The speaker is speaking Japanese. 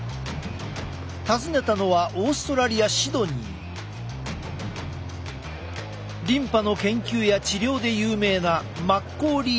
訪ねたのはリンパの研究や治療で有名なマッコーリー大学だ。